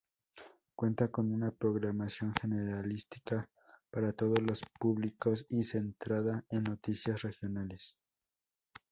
Cuenta con una programación generalista para todos los públicos y centrada en noticias regionales.